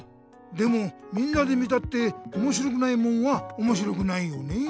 でもみんなで見たっておもしろくないもんはおもしろくないよね？